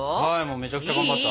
めちゃくちゃ頑張った。